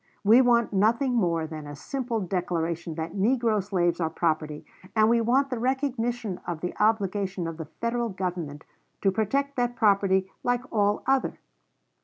"We want nothing more than a simple declaration that negro slaves are property, and we want the recognition of the obligation of the Federal Government to protect that property like all other."